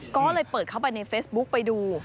ก็เลยเปิดเข้าไปในเฟซบุ๊กไปดู